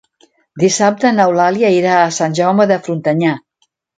Dissabte n'Eulàlia irà a Sant Jaume de Frontanyà.